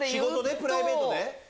プライベートで？